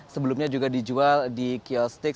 sebelumnya juga dijual di kiosk stix